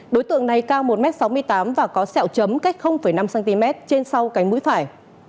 đối tượng này cao một m sáu mươi tám và có sẹo chấm cách năm cm trên sau cánh mũi phải